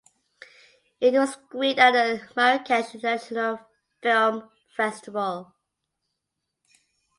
It was screened at the Marrakesh International Film Festival.